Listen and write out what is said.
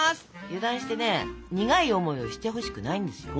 油断してね苦い思いをしてほしくないんですよ。